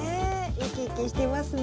生き生きしていますね。